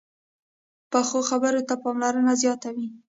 پخو خبرو ته پاملرنه زیاته وي